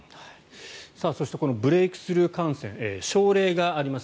そしてこのブレークスルー感染症例があります。